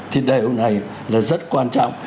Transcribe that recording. thì điều này là rất quan trọng